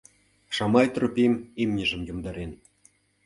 — Шамай Тропим имньыжым йомдарен.